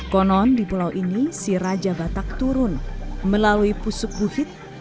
konon di pulau ini si raja batak turun melalui pusuk buhit